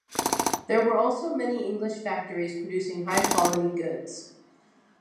There were also many English factories producing high quality goods.